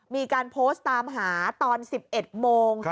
มีการโพสต์ตามหาตอน๑๑โมง